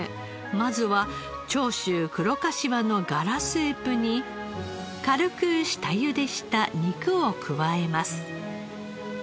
まずは長州黒かしわのガラスープに軽く下ゆでした肉を加えます。